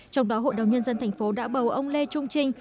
trong đó hội đồng nhân dân thành phố đã bầu ông lê trung trinh